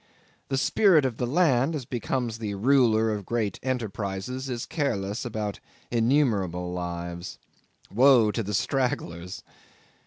The spirit of the land, as becomes the ruler of great enterprises, is careless of innumerable lives. Woe to the stragglers!